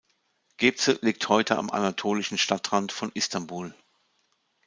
Gebze liegt heute am anatolischen Stadtrand von Istanbul.